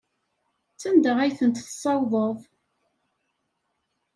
Sanda ay tent-tessawḍeḍ?